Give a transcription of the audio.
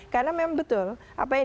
karena memang betul apa yang